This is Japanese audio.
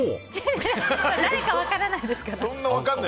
誰か分からないですから。